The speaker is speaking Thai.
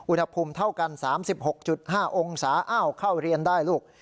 อุณหภูมิเท่ากัน๓๖๕องศาอ้าวเข้าเรียนได้ลูก